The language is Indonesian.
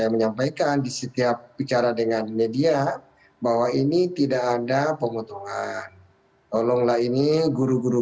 menyampaikan di setiap bicara dengan media bahwa ini tidak ada pemotongan tolonglah ini guru guru